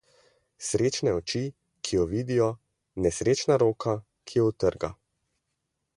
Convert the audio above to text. Srečne oči, ki jo vidijo, nesrečna roka, ki jo utrga.